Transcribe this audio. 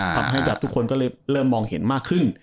ทำให้แบบทุกคนก็เริ่มมองเห็นมากขึ้น